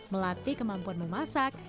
melatih kemampuan memasak